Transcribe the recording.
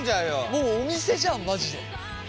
もうお店じゃんマジで。